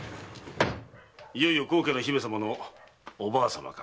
いよいよ高家の姫様のおばあさまか。